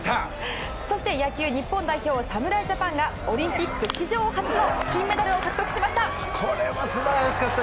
そして野球日本代表侍ジャパンがオリンピック史上初の金メダルを獲得しました！